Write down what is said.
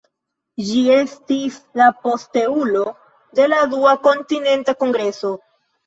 Ĝi estis la posteulo de la Dua Kontinenta Kongreso.